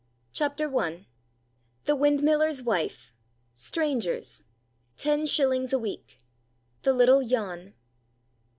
308 CHAPTER I. THE WINDMILLER'S WIFE.—STRANGERS.—TEN SHILLINGS A WEEK.—THE LITTLE JAN.